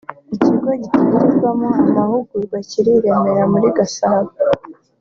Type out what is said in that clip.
ikigo gitangirwamo amahugurwa kiri i Remera muri Gasabo